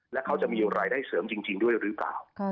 และเขาจะมีรายได้เสริมจริงด้วยหรือเปล่า